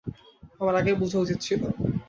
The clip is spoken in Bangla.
আমার আগেই বুঝা উচিত ছিল।